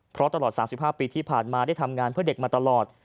เพราะตลอด๓๕ปีที่ผ่านมาได้ทำงานเพื่อเด็กมาตลอด